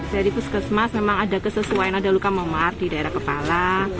jadi puskesmas memang ada kesesuaian ada luka memar di daerah kepala